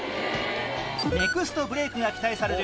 ネクストブレークが期待される